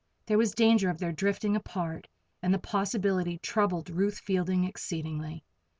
There was danger of their drifting apart, and the possibility troubled Ruth Fielding exceedingly.